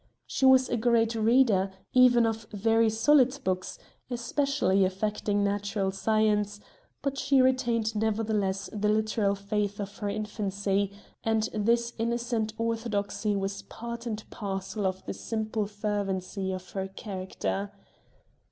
She was a great reader, even of very solid books, especially affecting natural science; but she retained nevertheless the literal faith of her infancy, and this innocent orthodoxy was part and parcel of the simple fervency of her character.